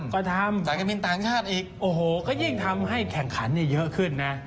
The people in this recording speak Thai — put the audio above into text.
ก็ทำสายการบินต่างชาติอีกโอ้โหก็ยิ่งทำให้แข่งขันเยอะขึ้นนะ